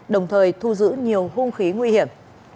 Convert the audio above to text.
đồng thời thu giữ nhiều hung khí nguy hiểm